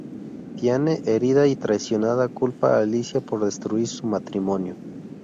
Diane, herida y traicionada, culpa a Alicia por destruir su matrimonio.